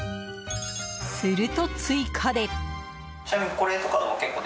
すると、追加で。